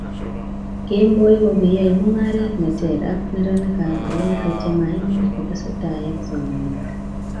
Kemboi ko kiyoei mungaret ne ter ak neranikb oloto chemaimuch kotesetai ak somanet